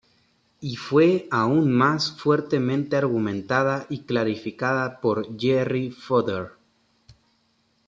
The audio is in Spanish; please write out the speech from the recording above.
Y fue aún más fuertemente argumentada y clarificada por Jerry Fodor.